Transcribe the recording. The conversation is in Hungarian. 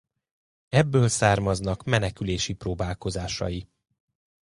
Ebből származnak menekülési próbálkozásai.